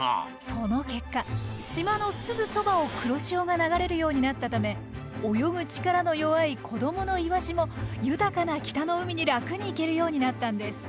その結果島のすぐそばを黒潮が流れるようになったため泳ぐ力の弱い子どものイワシも豊かな北の海に楽に行けるようになったんです。